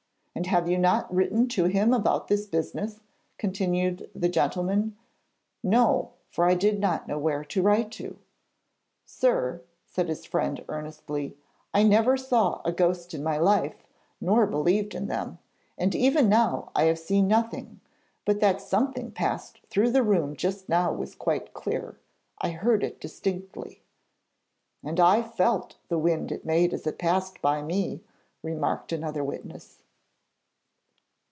'And have you not written to him about this business?' continued the gentleman. 'No; for I did not know where to write to.' 'Sir,' said his friend earnestly, 'I never saw a ghost in my life, nor believed in them; and even now I have seen nothing. But that something passed through the room just now was quite clear. I heard it distinctly.' 'And I felt the wind it made as it passed by me,' remarked another witness.